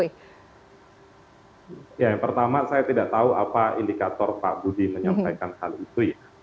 ya yang pertama saya tidak tahu apa indikator pak budi menyampaikan hal itu ya